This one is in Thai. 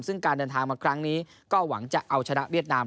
ซึ่งการเดินทางมาครั้งนี้ก็หวังจะเอาชนะเวียดนาม